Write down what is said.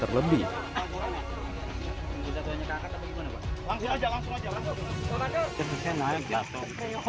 terusnya naik jatuh